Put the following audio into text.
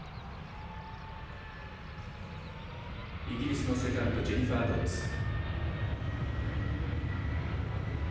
イギリスのセカンドジェニファー・ドッズ。